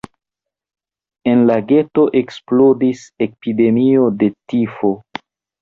En la geto eksplodis epidemio de tifo.